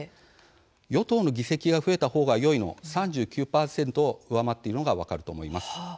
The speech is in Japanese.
与党の議席が増えたほうがよいの３９％を上回っているのが分かると思います。